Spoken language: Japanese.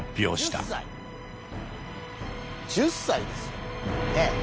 １０歳ですよねえ。